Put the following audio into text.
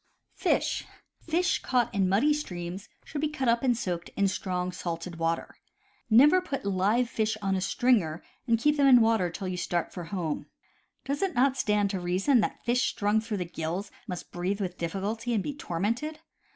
Fish caught in muddy streams should be cut up and soaked in strong salted water. Never put live fish on a stringer and keep them in water till you start for home. Does it not stand to reason that fish strung through the gills must breathe with difficulty and be tormented?